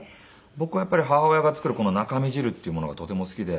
僕はやっぱり母親が作るこの中身汁っていうものがとても好きで。